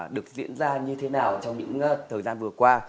được diễn ra như thế nào trong những thời gian vừa qua